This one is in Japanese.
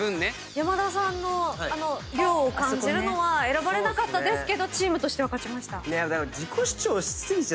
山田さんの涼を感じるのは選ばれなかったですけどチームとしては勝ちました。